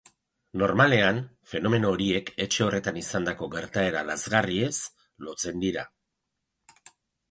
Normalean, fenomeno horiek etxe horretan izandako gertaera lazgarriez lotzen dira.